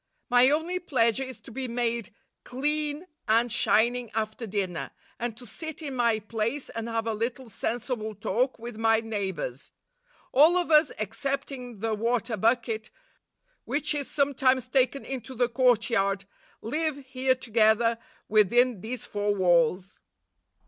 My only pleasure is to be made clean and shining after dinner, and to sit in my place and have a little sensible talk with my neighbors. All of us, excepting the water bucket, which is sometimes taken into the courtyard, live here together within these four walls.